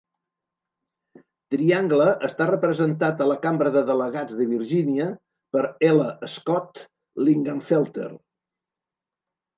Triangle està representat a la Cambra de Delegats de Virgínia per L. Scott Lingamfelter.